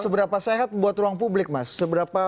seberapa sehat buat ruang publik mas